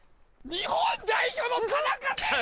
日本代表の田中選手！